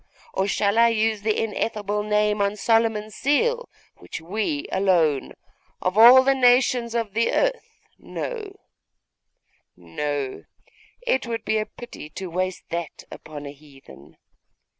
Or shall I use the ineffable name on Solomon's seal, which we alone, of all the nations of the earth, know? No; it would be a pity to waste that upon a heathen.